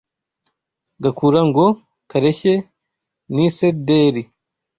gakura ngo kareshye n’isederi